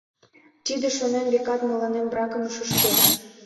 Тиде, шонем, векат мыланем бракым шӱшкеш.